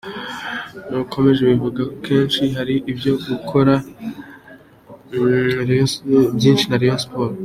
Nakomeje kubivuga kenshi hari ibyo gukosora byinshi muri Rayon Sports.